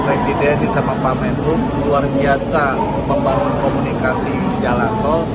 presiden sama pak menhub luar biasa membangun komunikasi jalan tol